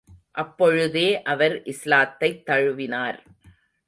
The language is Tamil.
அப்பொழுதே அவர் இஸ்லாத்தைத் தழுவினார்.